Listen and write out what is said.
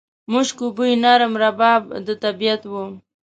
مشکو بوی، نرم رباب د طبیعت و